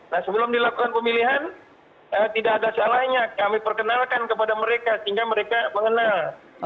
nah sebelum dilakukan pemilihan tidak ada salahnya kami perkenalkan kepada mereka sehingga mereka mengenal